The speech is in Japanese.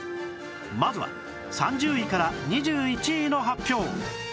まずは３０位から２１位の発表